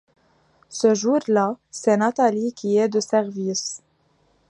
Ce jour-là, c'est Nathalie qui est de service…